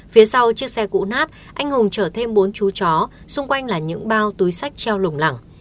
phía sau chiếc xe cũ nát anh hùng chở thêm bốn chú chó xung quanh là những bao túi sách treo lùng lẳng